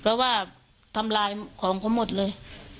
เพราะว่าทำลายของเขาหมดเลย